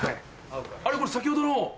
あれこれ先ほどの！